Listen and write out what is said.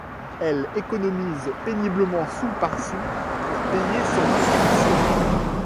Elle économise péniblement sou par sou pour payer son inscription.